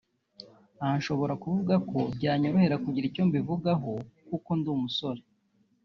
Aha nshobora kuvuga ko byanyorohera kugira icyo mbivugaho (kuko ndi umusore)